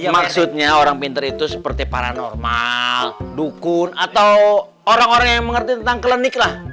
maksudnya orang pinter itu seperti paranormal dukun atau orang orang yang mengerti tentang klinik lah